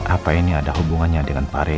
apa ini ada hubungannya dengan pak randy